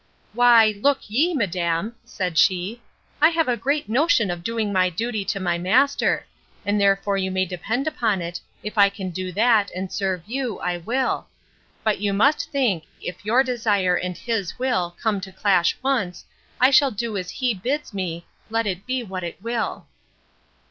—Why, look ye, madam, said she, I have a great notion of doing my duty to my master; and therefore you may depend upon it, if I can do that, and serve you, I will: but you must think, if your desire, and his will, come to clash once, I shall do as he bids me, let it be what it will.